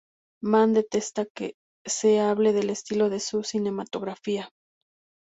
Mann detesta que se hable del estilo de su cinematografía.